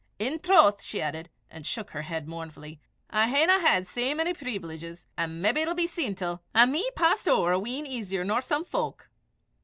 In trowth," she added, and shook her head mournfully, "I haena had sae mony preevileeges; an' maybe it'll be seen till, an' me passed ower a wheen easier nor some fowk."